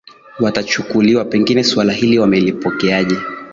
watachukuliwa pengine suala hili wamelipokeaje